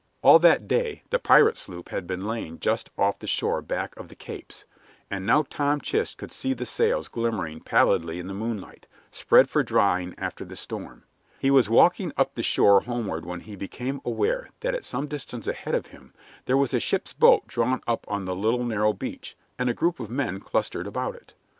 All that day the pirate sloop had been lying just off the shore back of the Capes, and now Tom Chist could see the sails glimmering pallidly in the moonlight, spread for drying after the storm. He was walking up the shore homeward when he became aware that at some distance ahead of him there was a ship's boat drawn up on the little narrow beach, and a group of men clustered about it.